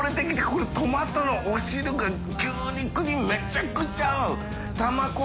海トマトのお汁が牛肉にめちゃくちゃ合う！